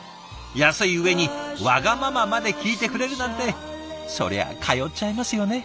安い上にワガママまで聞いてくれるなんてそりゃ通っちゃいますよね。